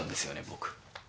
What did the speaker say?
僕。